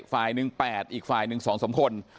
ฝ่ายหนึ่งแปดอีกฝ่ายหนึ่งสองสามคน